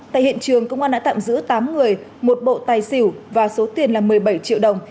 tại hiện trường công an đã tạm giữ tám người một bộ tài xỉu và số tiền là một mươi bảy triệu đồng